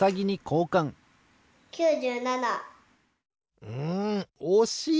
うんおしい！